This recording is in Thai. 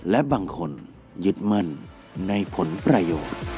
และบางคนยึดมั่นในผลประโยชน์